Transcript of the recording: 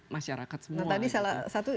masyarakat semua nah tadi salah satu